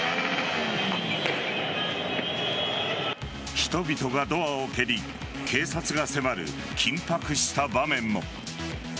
人々がドアを蹴り警察が迫る緊迫した場面も。